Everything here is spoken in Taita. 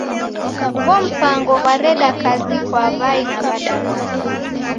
Ugho mpango ghwareda kazi kwa w'ai na w'adaw'ana.